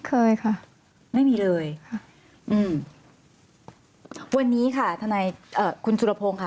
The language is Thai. เคยค่ะไม่มีเลยค่ะอืมวันนี้ค่ะทนายเอ่อคุณสุรพงศ์ค่ะ